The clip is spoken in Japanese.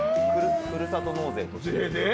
ふるさと納税として。